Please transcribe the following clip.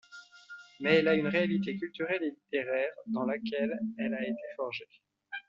Mais elle a une réalité culturelle et littéraire, dans laquelle elle a été forgée.